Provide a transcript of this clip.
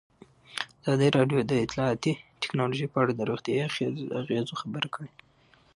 ازادي راډیو د اطلاعاتی تکنالوژي په اړه د روغتیایي اغېزو خبره کړې.